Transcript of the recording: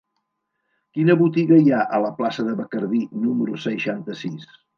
Quina botiga hi ha a la plaça de Bacardí número seixanta-sis?